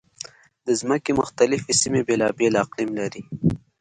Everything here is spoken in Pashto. د ځمکې مختلفې سیمې بېلابېل اقلیم لري.